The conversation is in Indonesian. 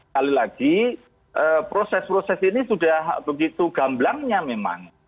kali lagi proses proses ini sudah begitu gamblangnya memang